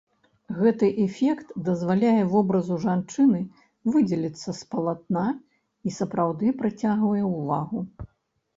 Гэты эфект дазваляе вобразу жанчыны выдзеліцца з палатна і сапраўды прыцягвае ўвагу.